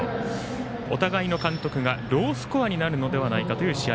お互いの監督がロースコアになるのではないかという試合